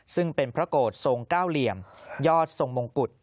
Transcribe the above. ซึ่งเป็นพระโกรธทรงเก้าเหลี่ยมยอดทรงมงกุฎ